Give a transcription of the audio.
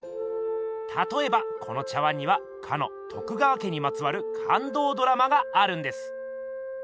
たとえばこの茶碗にはかの徳川家にまつわる感動ドラマがあるんです。